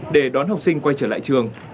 để đón học sinh quay trở lại trường